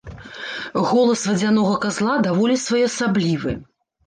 Голас вадзянога казла даволі своеасаблівы.